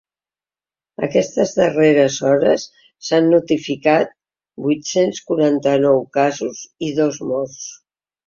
Aquestes darreres hores s’han notificat vuit-cents quaranta-nou casos i dos morts.